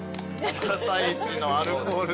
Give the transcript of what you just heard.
朝一のアルコールで。